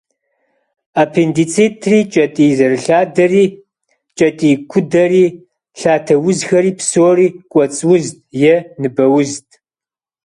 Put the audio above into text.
Аппендицитри, кӏэтӏий зэрылъадэри, кӏэтӏий кудэри, лъатэ узхэри псори «кӏуэцӏ узт» е «ныбэ узт».